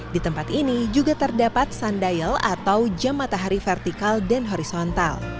di tempat ini juga terdapat sundial atau jam matahari vertikal dan horizontal